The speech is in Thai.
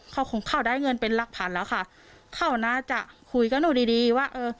เขาของเขาได้เงินเป็นหลักพันแล้วค่ะเขาน่าจะคุยกับหนูดีดีว่าเออ